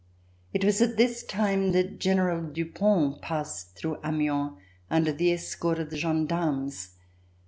It was at this time that General Dupont passed through Amiens, under the escort of the gendarmes.